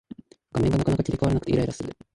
画面がなかなか切り替わらなくてイライラする